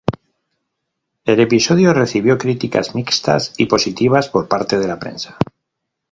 El episodio recibió críticas mixtas y positivas por parte de la prensa.